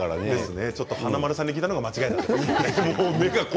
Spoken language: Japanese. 華丸さんに聞いたのが間違いでした。